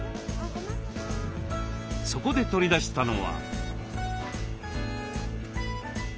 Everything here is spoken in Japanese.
そこで取り出したのは。